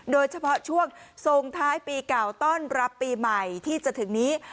โดยเฉพาะช่วงทรงท้ายปีเก่าต้อนรับปีใหม่ที่จะถึงนี้